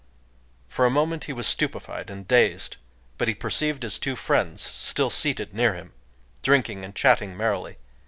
For a moment he was stupefied and dazed. But he perceived his two friends still seated near him,—drinking and chatting merrily.